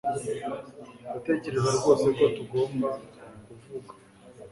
Ndatekereza rwose ko tugomba kuvuga